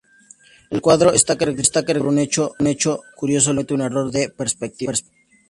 El cuadro está caracterizado por un hecho curioso: Leonardo comete un error de perspectiva.